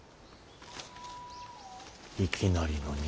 いきなりの荷